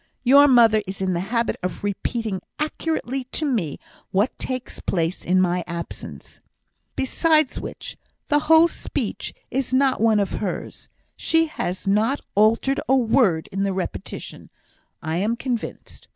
"Your mother is in the habit of repeating accurately to me what takes place in my absence; besides which, the whole speech is not one of hers; she has not altered a word in the repetition, I am convinced.